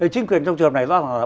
chính quyền trong trường hợp này